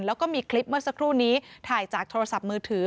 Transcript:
แล้วก็มีคลิปเมื่อสักครู่นี้ถ่ายจากโทรศัพท์มือถือ